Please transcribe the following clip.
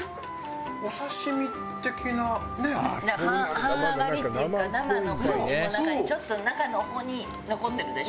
半揚がりっていうか生の感じも中にちょっと中の方に残ってるでしょ？